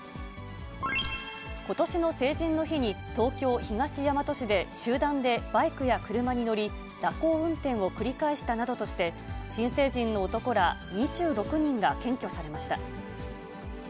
ことしの成人の日に、東京・東大和市で、集団でバイクや車に乗り、蛇行運転を繰り返したなどとして、新成人の男ら２６人が検挙されました。